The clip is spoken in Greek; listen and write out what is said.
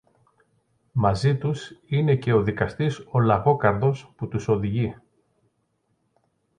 Μαζί τους είναι και ο δικαστής ο Λαγόκαρδος που τους οδηγεί